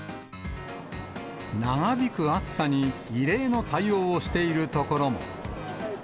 長引く暑さに異例の対応をしているところも。